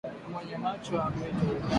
Mwenye macho haambiwi tazama